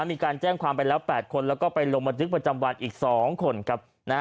มีการแจ้งความไปแล้ว๘คนแล้วก็ไปลงบันทึกประจำวันอีก๒คนครับ